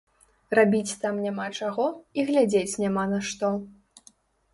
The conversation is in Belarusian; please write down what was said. Рабіць там няма чаго і глядзець няма на што.